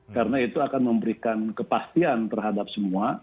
karena itu akan memberikan kepastian terhadap semua